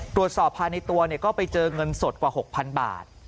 ตรวจสอบภายในตัวก็ไปเจอเงินสดกว่า๖๐๐๐บาท